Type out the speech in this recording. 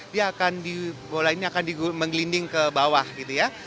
dia akan dibola ini akan menggelinding ke bawah gitu ya